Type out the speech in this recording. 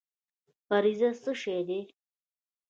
فرضیه څه شی دی؟